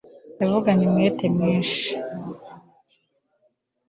Yavuganye umwete mwinshi